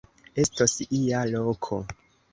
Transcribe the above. Estos ia loko.